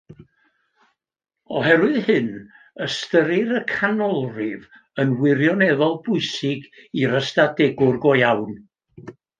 Oherwydd hyn, ystyrir y canolrif yn wirioneddol bwysig i'r ystadegwr go iawn.